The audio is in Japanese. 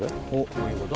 こういうこと？